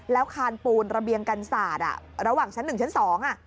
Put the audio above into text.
แล้วคานปูนระเบียงกันศาสตร์ระหว่างชั้นหนึ่งชั้นสองอ่ะ